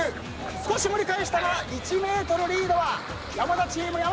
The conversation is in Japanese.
少し盛り返したが１ｍリードは山田チーム山田君です！